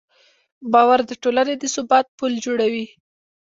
باور د ټولنې د ثبات پل جوړوي.